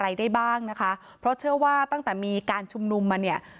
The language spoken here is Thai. อะไรได้บ้างนะคะเพราะเชื่อว่าตั้งแต่มีการชุมนุมมาเนี่ย